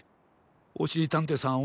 おしりたんていさん